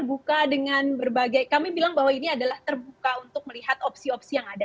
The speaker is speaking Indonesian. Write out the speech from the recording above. jadi apabila saat ini kemudian terbuka dengan berbagai kami bilang bahwa ini adalah terbuka untuk melihat opsi opsi yang ada